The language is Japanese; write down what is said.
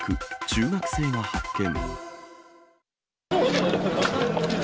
中学生が発見。